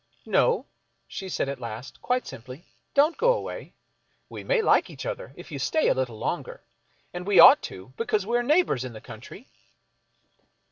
" No," she said at last, quite simply, " don't go away. We may like each other, if you stay a little longer — and we ought to, because we are neighbors in the country."